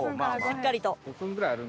しっかりと。